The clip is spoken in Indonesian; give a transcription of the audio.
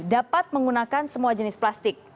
dapat menggunakan semua jenis plastik